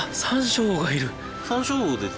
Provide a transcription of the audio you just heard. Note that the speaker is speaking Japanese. サンショウウオです？